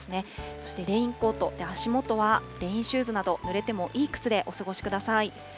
そしてレインコート、足元はレインシューズなど、ぬれてもいい靴でお過ごしください。